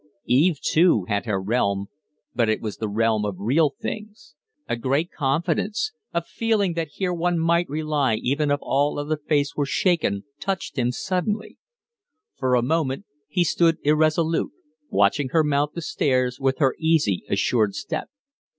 Eve, too, had her realm, but it was the realm of real things. A great confidence, a feeling that here one might rely even if all other faiths were shaken, touched him suddenly. For a moment he stood irresolute, watching her mount the stairs with her easy, assured step.